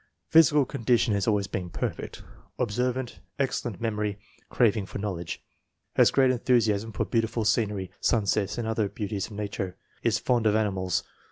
Physical condition has always been perfect. Observant, excellent memory, craving for knowledge. " Has great enthusiasm for beautiful scenery, sunsets, and other beauties of nature." Is fond of animals.